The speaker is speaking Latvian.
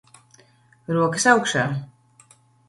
Rokas augšā.